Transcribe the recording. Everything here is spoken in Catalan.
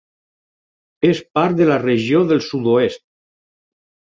És part de la regió del sud-oest.